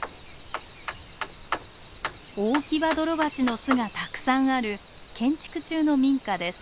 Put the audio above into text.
オオキバドロバチの巣がたくさんある建築中の民家です。